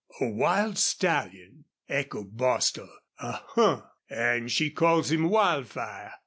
"A wild stallion!" echoed Bostil. "A huh! An' she calls him Wildfire.